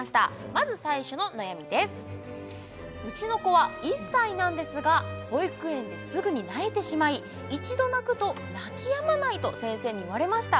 まず最初の悩みです「うちの子は１歳なんですが保育園ですぐに泣いてしまい」「一度泣くと泣きやまないと先生に言われました」